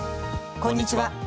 こんにちは。